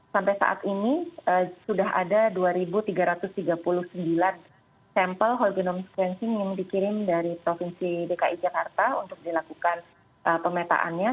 sampai saat ini sudah ada dua tiga ratus tiga puluh sembilan sampel whole genome sequencing yang dikirim dari provinsi dki jakarta untuk dilakukan pemetaannya